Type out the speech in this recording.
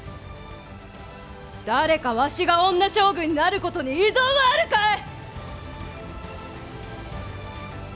誰かわしが女将軍になることに異存はあるかえ！